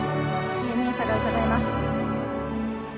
丁寧さがうかがえます。